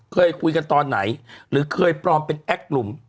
เคยคุยกันตอนไหนหรือเคยปลอมเป็นแอคลุม